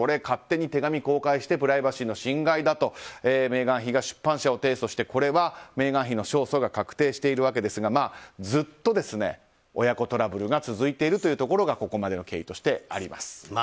勝手に手紙を公開してプライバシーの侵害だとメーガン妃が出版社を提訴してこれはメーガン妃の勝訴が確定しているわけですがずっと親子トラブルが続いているところがここまでの経緯としてあります。